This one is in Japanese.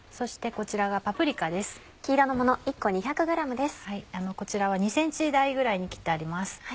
こちらは２ｃｍ大ぐらいに切ってあります。